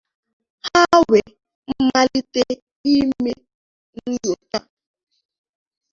ha wee malite ime nnyòcha